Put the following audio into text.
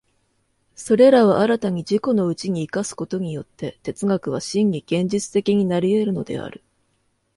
それらを新たに自己のうちに生かすことによって、哲学は真に現実的になり得るのである。